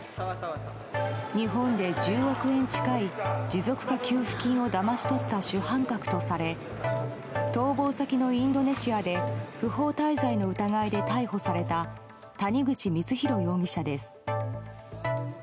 日本で１０億円近い持続化給付金をだまし取った主犯格とされ逃亡先のインドネシアで不法滞在の疑いで逮捕された谷口光弘容疑者です。